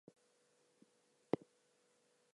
The men and women danced around the sacred fire.